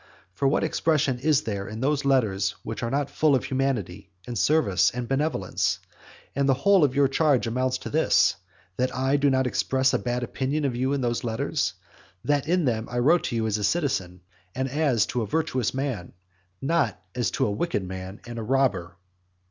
For what expression is there in those letters which is not full of humanity and service and benevolence? and the whole of your charge amounts to this, that I do not express a bad opinion of you in those letters; that in them I wrote as to a citizen, and as to a virtuous man, not as to a wicked man and a robber.